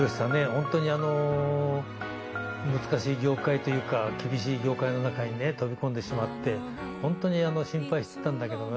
本当にあの難しい業界というか厳しい業界の中にね飛び込んでしまって本当に心配してたんだけどな